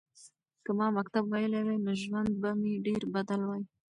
که ما مکتب ویلی وای نو ژوند به مې ډېر بدل وای.